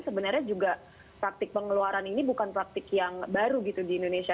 sebenarnya juga praktik pengeluaran ini bukan praktik yang baru gitu di indonesia